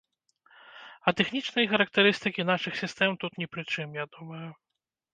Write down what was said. А тэхнічныя характарыстыкі нашых сістэм тут ні пры чым, я думаю.